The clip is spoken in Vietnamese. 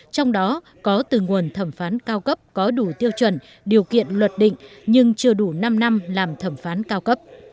trong đó có từ nguồn thẩm phán cao cấp có đủ tiêu chuẩn điều kiện luật định nhưng chưa đủ năm năm làm thẩm phán cao cấp